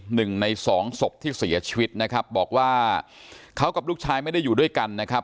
หนึ่งในสองศพที่เสียชีวิตนะครับบอกว่าเขากับลูกชายไม่ได้อยู่ด้วยกันนะครับ